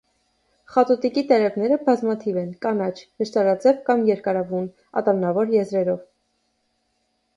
Խատուտիկի տերևները բազմաթիվ են, կանաչ, նշտարաձև կամ երկարավուն, ատամնավոր եզրերով։